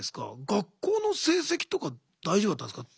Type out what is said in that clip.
学校の成績とか大丈夫だったんですか？